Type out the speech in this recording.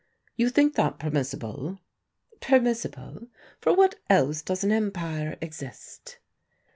You think that permissible?" "Permissible? For what else does an empire exist?"